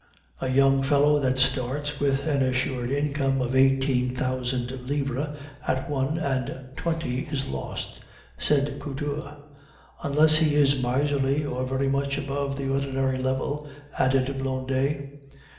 "A young fellow that starts with an assured income of eighteen thousand livres at one and twenty is lost," said Couture. "Unless he is miserly, or very much above the ordinary level," added Blondet.